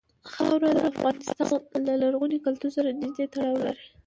خاوره د افغانستان له لرغوني کلتور سره نږدې تړاو لري.